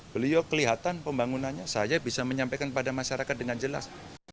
beliau kelihatan pembangunannya saya bisa menyampaikan kepada masyarakat dengan jelas